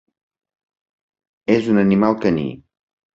És un animal caní.